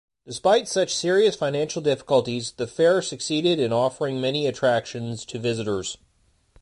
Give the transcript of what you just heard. Despite such serious financial difficulties, the Fair succeeded in offering many attractions to visitors.